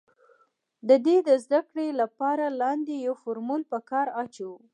د دې د زده کړې له پاره لاندې يو فورمول په کار اچوو